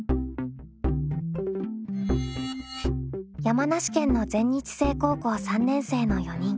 山梨県の全日制高校３年生の４人。